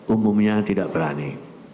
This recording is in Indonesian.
umumnya tidak berani